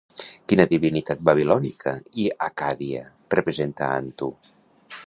Quina divinitat babilònica i accàdia representa Antu?